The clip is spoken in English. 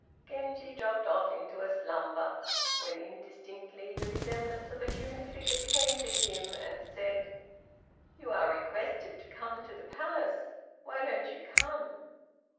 Genji dropped off into a slumber, when indistinctly the resemblance of a human figure came to him and said, "You are requested to come to the palace, why don't you come?"